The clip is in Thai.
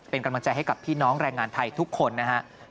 เป็นกำลังใจให้กับพี่น้องแรงงานไทยทุกคนนะครับ